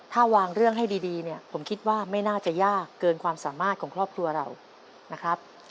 ถ้าวางเรื่องให้ดีเนี่ยผมคิดว่าไม่น่าจะยากเกินความสามารถของครอบครัวเรานะครับ